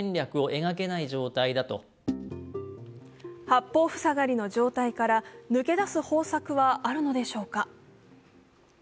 八方塞がりの状態から抜け出す方策はあるのでしょうか。